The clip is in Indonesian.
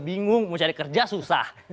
bingung mau cari kerja susah